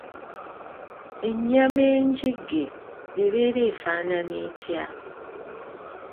Ennyama enjigge ebeera efaanana etya?